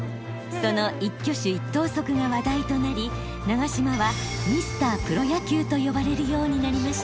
その一挙手一投足が話題となり長嶋は「ミスタープロ野球」と呼ばれるようになりました。